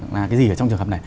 là cái gì ở trong trường hợp này